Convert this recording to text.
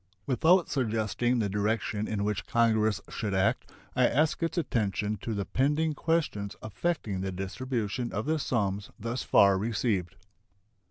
Without suggesting the direction in which Congress should act, I ask its attention to the pending questions affecting the distribution of the sums thus far received.